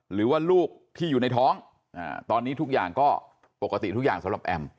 หรือว่าลูกที่อยู่ในท้องตอนนี้ทุกอย่างก็ปกติทุกอย่างสำหรับแอม